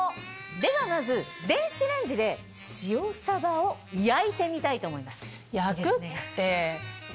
ではまず電子レンジで塩サバを焼いてみたいと思います。